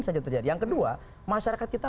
saja terjadi yang kedua masyarakat kita